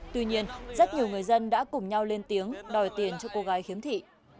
tuy nhiên rất nhiều người dân đã cùng nhau lên tiếng đòi tiền cho cô gái khiếm thị